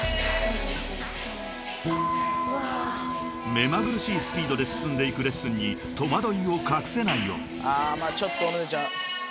［目まぐるしいスピードで進んでいくレッスンに戸惑いを隠せないよう］